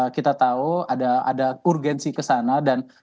kita tahu ada urgensi kesana dan